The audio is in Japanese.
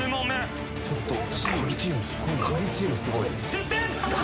・１０点！